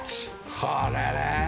これね。